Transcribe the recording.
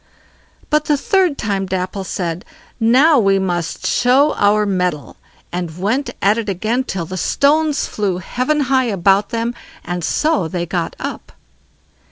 But the third time Dapple said: "Now we must show our mettle"; and went at it again till the stones flew heaven high about them, and so they got up.